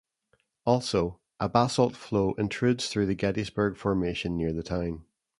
Also, a basalt flow intrudes through the Gettysburg Formation near the town.